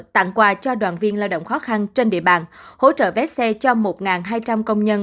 tặng quà cho đoàn viên lao động khó khăn trên địa bàn hỗ trợ vé xe cho một hai trăm linh công nhân